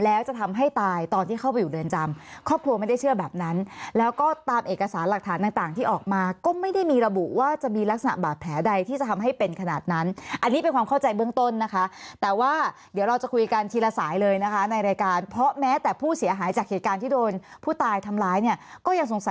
แล้วจะทำให้ตายตอนที่เข้าไปอยู่เรือนจำครอบครัวไม่ได้เชื่อแบบนั้นแล้วก็ตามเอกสารหลักฐานต่างที่ออกมาก็ไม่ได้มีระบุว่าจะมีลักษณะบาดแผลใดที่จะทำให้เป็นขนาดนั้นอันนี้เป็นความเข้าใจเบื้องต้นนะคะแต่ว่าเดี๋ยวเราจะคุยกันทีละสายเลยนะคะในรายการเพราะแม้แต่ผู้เสียหายจากเหตุการณ์ที่โดนผู้ตายทำร้ายเนี่ยก็ยังส